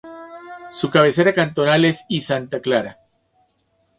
Su cabecera cantonal es l Santa Clara.